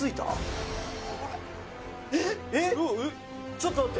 ちょっと待って」